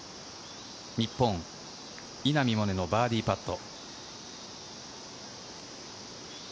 日本、稲見萌寧のバーディーパット。